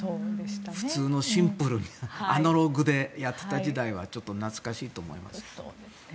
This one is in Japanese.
普通のシンプルなアナログでやっていた時代がちょっと懐かしいと思います。